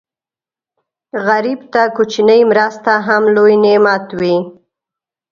غریب ته کوچنۍ مرسته هم لوی نعمت وي